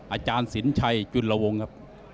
อาจารย์สินชัยจุลวงครับ